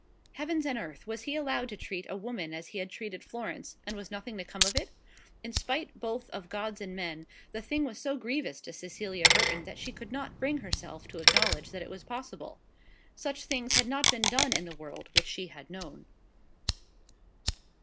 Heavens and earth! was he to be allowed to treat a woman as he had treated Florence, and was nothing to come of it? In spite both of gods and men, the thing was so grievous to Cecilia Burton, that she could not bring herself to acknowledge that it was possible. Such things had not been done in the world which she had known.